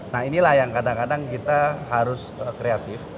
nah inilah yang kadang kadang kita harus kreatif